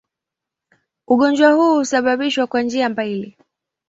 Ugonjwa huu husababishwa kwa njia mbili.